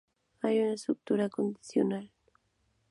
Hay una estructura condicional.